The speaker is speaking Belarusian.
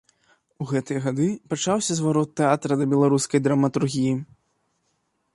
У гэтыя гады пачаўся зварот тэатра да беларускай драматургіі.